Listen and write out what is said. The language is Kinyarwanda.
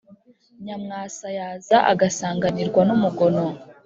nyamwasa yaza agasanganirwa n’umugono